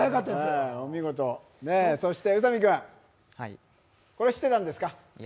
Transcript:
宇佐美君、これ知ってたんですか？